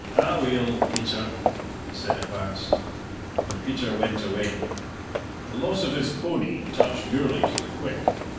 "Aweel, Peter," he said at last, and Peter went away. The loss of his pony touched Gourlay to the quick.